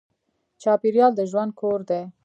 چاپېریال د ژوند کور دی.